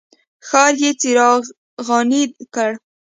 ښار یې څراغاني کړ.